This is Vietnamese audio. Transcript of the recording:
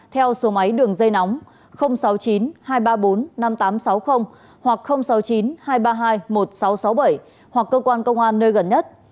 theo số máy đường dây nóng sáu mươi chín hai trăm ba mươi bốn năm nghìn tám trăm sáu mươi hoặc sáu mươi chín hai trăm ba mươi hai một nghìn sáu trăm sáu mươi bảy hoặc cơ quan công an nơi gần nhất